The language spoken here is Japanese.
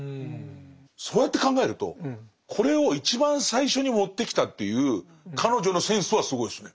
そうやって考えるとこれを一番最初に持ってきたという彼女のセンスはすごいですね。